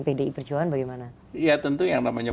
pdi perjuangan bagaimana ya tentu yang namanya